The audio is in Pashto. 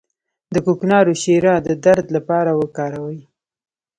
د کوکنارو شیره د درد لپاره وکاروئ